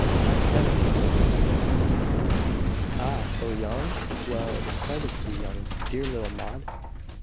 "Not seventeen till December." "Ah, so young? Well, it is pleasant to be young! Dear little Maud!"